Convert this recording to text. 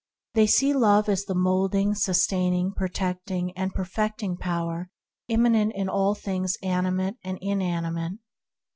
They see Love as the moulding, sustaining, protecting, and perfecting Power immanent in all things animate and inanimate.